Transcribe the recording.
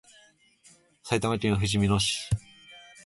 埼玉県ふじみ野市